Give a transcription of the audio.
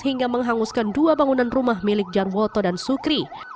hingga menghanguskan dua bangunan rumah milik jarwoto dan sukri